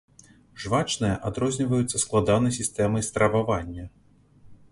Жвачныя адрозніваюцца складанай сістэмай стрававання.